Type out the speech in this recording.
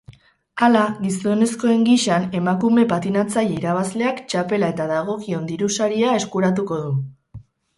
Hala, gizonezkoengisan, emakume patinatzaile irabazleak txapela eta dagokion dirusariaeskuratuko du.